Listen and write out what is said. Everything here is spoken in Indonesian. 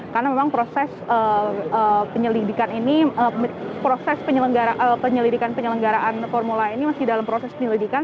karena memang proses penyelidikan ini proses penyelidikan penyelenggaraan formula e ini masih dalam proses penyelidikan